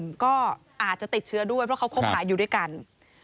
พอโทรศัพท์ไปถามแฟนของน้องสาวตอบกลับมาว่าไม่ติดเชื้อนะคะ